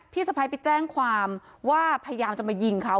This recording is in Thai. พี่สไฟ่ไปแจ้งความว่าพยาบมาชืบไว้จับมายิงเขา